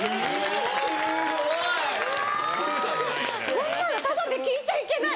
こんなのタダで聞いちゃいけない！